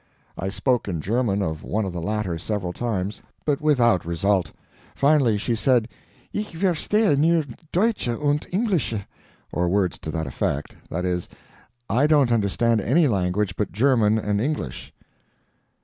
I spoke in German of one of the latter several times, but without result. Finally she said: "ICH VERSTEHE NUR DEUTCH UND ENGLISHE," or words to that effect. That is, "I don't understand any language but German and English."